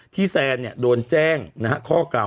ที่แซนโดนแจ้งข้อเกลา